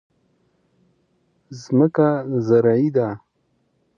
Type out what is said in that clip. ځمکه زرعي ده.